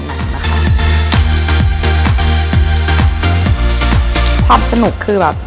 ความสนุกคือแบบ